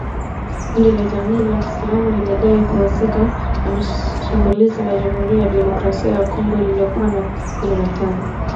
Kundi la jamii ya kiislamu limedai kuhusika na shambulizi la Jamuhuri ya Demokrasia ya Kongo lililouwa watu kumi na tano